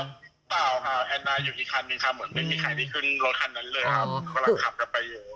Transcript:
หรือเปล่าค่ะแอนดาอยู่อีกคันนึงค่ะเหมือนไม่มีใครได้ขึ้นรถคันนั้นเลยครับกำลังขับกันไปอยู่